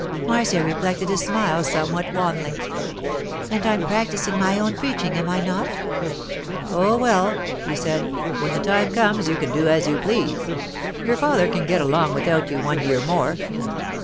Marcia reflected his smile somewhat wanly. 'And I'm practising my own preaching, am I not?' 'Oh, well,' he said, 'when the time comes you can do as you please. Your father can get along without you one year more.